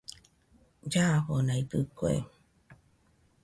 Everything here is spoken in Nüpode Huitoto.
Llafonaidɨkue